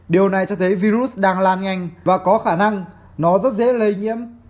điều này cho thấy virus đang lan nhanh và có khả năng nó rất dễ lây nhiễm